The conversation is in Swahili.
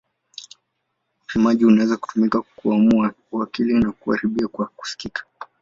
Upimaji unaweza kutumika kuamua ukali wa kuharibika kwa kusikia.